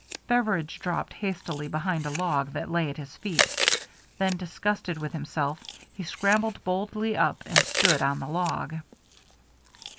Beveridge dropped hastily behind a log that lay at his feet. Then, disgusted with himself, he scrambled boldly up and stood on the log.